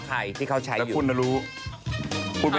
อะไรอีกแล้วอีกแล้ว